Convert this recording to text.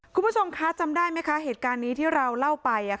คุณผู้ชมคะจำได้ไหมคะเหตุการณ์นี้ที่เราเล่าไป